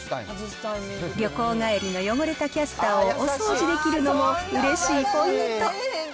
旅行帰りの汚れたキャスターをお掃除できるのも、うれしいポイント。